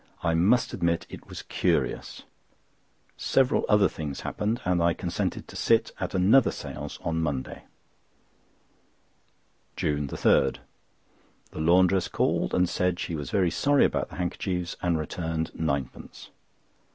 I must admit it was curious. Several other things happened, and I consented to sit at another séance on Monday. JUNE 3.—The laundress called, and said she was very sorry about the handkerchiefs, and returned ninepence.